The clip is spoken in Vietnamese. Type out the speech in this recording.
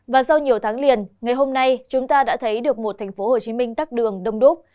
và sau nhiều tháng liền ngày hôm nay chúng ta đã thấy được một tp hcm tắc đường đông đúc